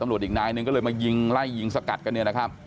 ตำรวจอีกนายหนึ่งก็เลยมายิงไล่ยิงสกัดกันเนี่ยนะครับ